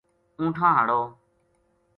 اونٹھاں ہاڑو